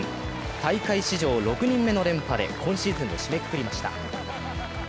大会史上６人目の連覇で今シーズンを締めくくりました。